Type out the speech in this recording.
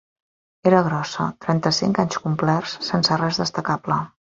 Era grossa, trenta-cinc anys complerts, sense res destacable.